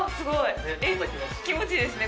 気持ちいいですね